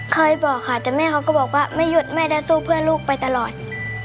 เคยบอกค่ะแต่แม่เขาก็บอกว่าไม่หยุดแม่จะสู้เพื่อลูกไปตลอด